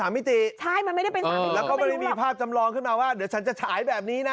มันไม่ได้เป็น๓มิติแล้วก็ไม่มีภาพจำลองขึ้นมาว่าเดี๋ยวฉันจะฉายแบบนี้นะ